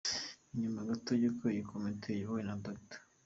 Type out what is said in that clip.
Ni nyuma gato y’uko iyi komite iyobowe na Dr.